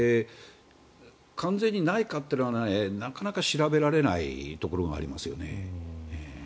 完全にないかというのはなかなか調べられないところがありますよね。